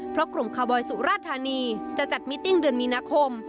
เพราะกลุ่มคาร์บอยสุราธานีจะจัดมิติ้งเดือนมีนาคม